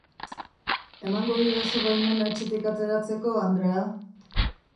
Emango didazu baimena etxetik ateratzeko, andrea?.